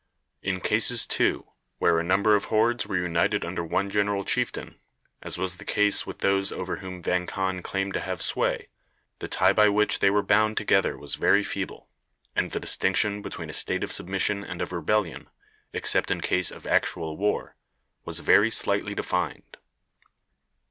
In cases, too, where a number of hordes were united under one general chieftain, as was the case with those over whom Vang Khan claimed to have sway, the tie by which they were bound together was very feeble, and the distinction between a state of submission and of rebellion, except in case of actual war, was very slightly defined.